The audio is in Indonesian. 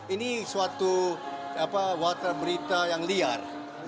ini suatu water berita yang liar